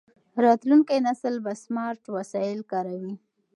راتلونکی نسل به سمارټ وسایل کاروي.